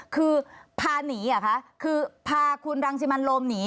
คือพาหนีอะคะคือพาคุณรังจิบัลโรบหนี